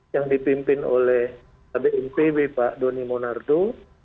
yang dipimpin oleh bnpb pak doni monardo